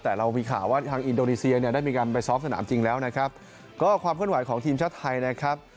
แต่เรามีข่าวว่าทางอินโดนีเซียเนี่ยได้มีการไปซ้อมสนามจริงแล้วนะครับก็ความเคลื่อนไหวของทีมชาติไทยนะครับ